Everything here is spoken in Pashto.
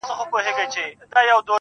هغه هم نسته جدا سوی يمه.